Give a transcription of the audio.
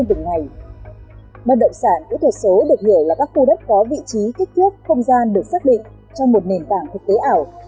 cũng được hiểu là các khu đất có vị trí kích thước không gian được xác định trong một nền tảng thực tế ảo